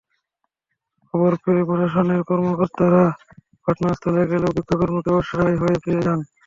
খবর পেয়ে প্রশাসনের কর্মকর্তারা ঘটনাস্থলে গেলেও বিক্ষোভের মুখে অসহায় হয়ে ফিরে যান।